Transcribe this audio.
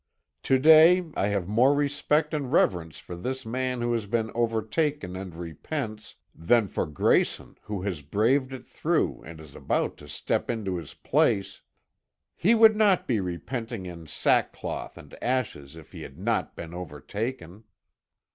To day I have more respect and reverence for this man who has been overtaken and repents, than for Grayson who has braved it through and is about to step into his place " "He would not be repenting in sackcloth and ashes if he had not been overtaken."